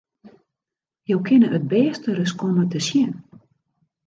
Jo kinne it bêste ris komme te sjen!